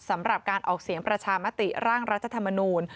สำหรับการออกเสียงประชามติร่างรัฐธรรมนูล